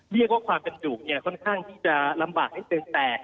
เรียกว่าความเป็นจุกค่อนข้างที่จะลำบากให้เติมแต่